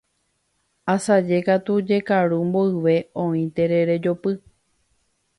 Asaje katu, jekaru mboyve, oĩ terere jopy.